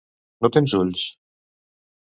No tens ulls?